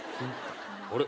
あれ？